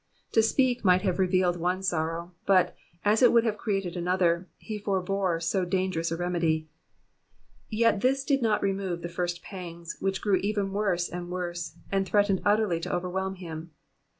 'I'o speak might have relieved one sorrow, but, as it would have created another, he forbore so dangerous a remedy ; yet this did not remove the first pangs, which grew even worse and worse, and threatened utterly to overwhelm him.